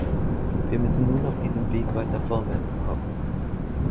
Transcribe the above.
Wir müssen nun auf diesem Weg weiter vorwärtskommen.